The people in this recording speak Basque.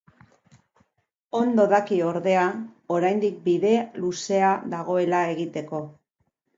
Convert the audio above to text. Ondo daki, ordea, oraindik bide luzea dagoela egiteko.